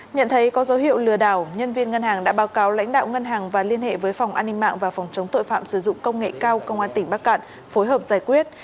nhận thấy có dấu hiệu lừa đảo nhân viên ngân hàng đã báo cáo lãnh đạo ngân hàng và liên hệ với phòng an ninh mạng và phòng chống tội phạm sử dụng công nghệ cao công an tỉnh bắc cạn phối hợp giải quyết